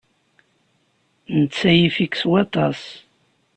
Netta yif-ik s waṭas.